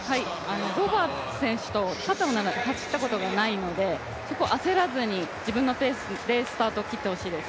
ロバーツ選手と肩を並べて走ったことがないので焦らずに自分のペースでレーススタートを切ってほしいです。